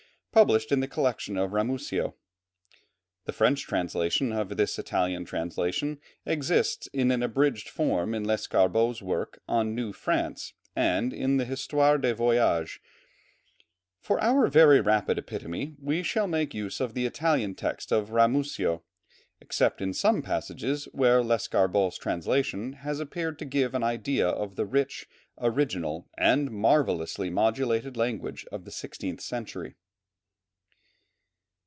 published in the collection of Ramusio. The French translation of this Italian translation exists in an abridged form in Lescarbot's work on New France and in the Histoire des Voyages. For our very rapid epitome we shall make use of the Italian text of Ramusio, except in some passages where Lescarbot's translation has appeared to give an idea of the rich, original, and marvellously modulated language of the sixteenth century.